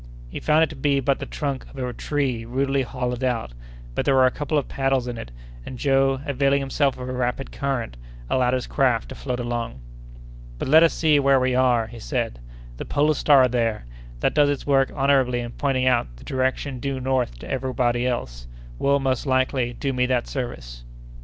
He found it to be but the trunk of a tree rudely hollowed out; but there were a couple of paddles in it, and Joe, availing himself of a rapid current, allowed his craft to float along. "But let us see where we are," he said. "The polar star there, that does its work honorably in pointing out the direction due north to everybody else, will, most likely, do me that service."